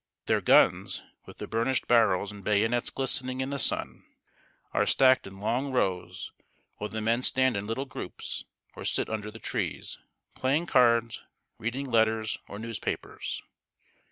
Their guns, with the burnished barrels and bayonets glistening in the sun, are stacked in long rows, while the men stand in little groups, or sit under the trees, playing cards, reading letters or newspapers.